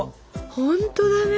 ほんとだね。